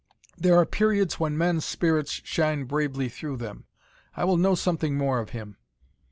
There are periods when men's spirits shine bravely through them. I will know something more of him."